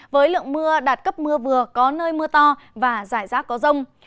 với lượng mưa đạt cấp mưa vừa có nơi mưa to và giải rác có rong